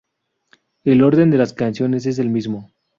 El orden de las canciones es el mismo.